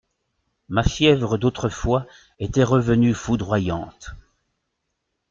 Ma fièvre d'autrefois était revenue foudroyante.